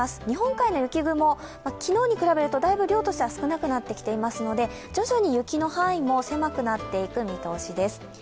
日本海の雪雲、昨日に比べるとだいぶ量としては少なくなってきていますので、徐々に雪の範囲も狭くなっていく見通しです。